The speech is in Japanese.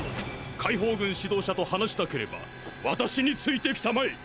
解放軍指導者と話したければ私について来たまえ！